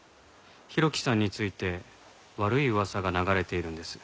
浩喜さんについて悪い噂が流れているんです。